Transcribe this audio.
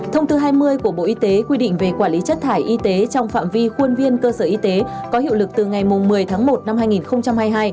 thông tư hai mươi của bộ y tế quy định về quản lý chất thải y tế trong phạm vi khuôn viên cơ sở y tế có hiệu lực từ ngày một mươi tháng một năm hai nghìn hai mươi hai